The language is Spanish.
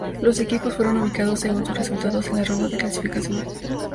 Los equipos fueron ubicados según sus resultados en la ronda de clasificación.